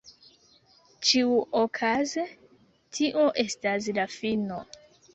Ĉiuokaze tio estas la fino.